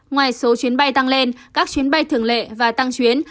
ngoài số chuyến bay tăng lên các chuyến bay thường lệ và tăng chuyến